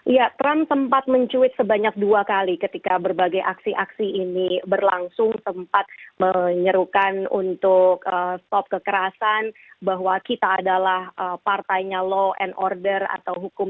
ya trump sempat mencuit sebanyak dua kali ketika berbagai aksi aksi ini berlangsung sempat menyerukan untuk stop kekerasan bahwa kita adalah partainya law and order atau hukum